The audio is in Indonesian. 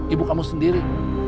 ibu kamu sendiri